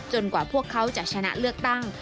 กว่าพวกเขาจะชนะเลือกตั้ง